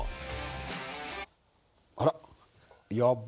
あら。